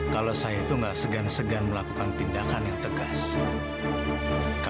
walaupun orang itu orang yang terdekat